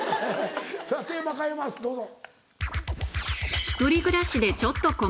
さぁテーマ変えますどうぞ。